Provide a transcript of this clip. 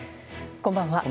こんばんは。